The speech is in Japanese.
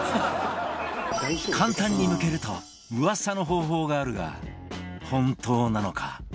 簡単にむけると噂の方法があるが本当なのか？